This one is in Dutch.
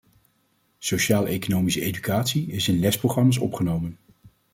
Sociaaleconomische educatie is in lesprogramma's opgenomen.